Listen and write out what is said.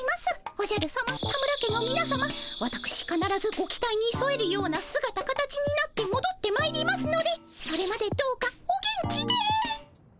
おじゃるさま田村家のみなさまわたくしかならずご期待にそえるようなすがた形になってもどってまいりますのでそれまでどうかお元気で。